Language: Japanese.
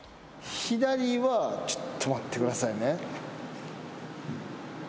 左はちょっと待ってくださいね。